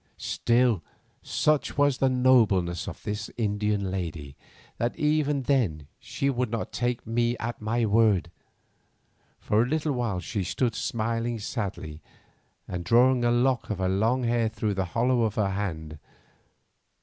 Still such was the nobleness of this Indian lady that even then she would not take me at my word. For a little while she stood smiling sadly and drawing a lock of her long hair through the hollow of her hand.